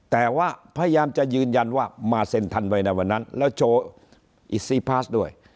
แต่ว่าพยายามจะยืนยันว่ามาเซ็นทันไว้ในวันนั้นแล้วโชว์อิซีพาสด้วย